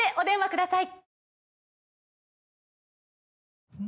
ください